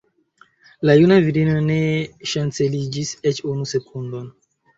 La juna virino ne ŝanceliĝis eĉ unu sekundon.